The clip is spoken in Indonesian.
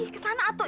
ih kesana atuh